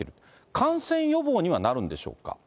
感染予防にはなるんでしょうか。